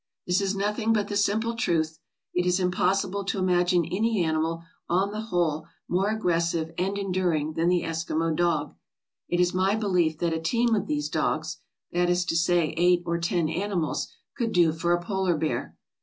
This is nothing but the simple truth; it is impossible to imagine any animal, on the whole, more MISCELLANEOUS 505 aggressive and enduring than the Eskimo dog. It is my belief that a team of these dogs — that is to say, eight or ten animals — could do for a polar bear.